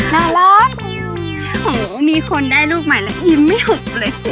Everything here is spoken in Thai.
น่ารักโหมีคนได้ลูกใหม่แล้วอิ่มไม่หึกเลย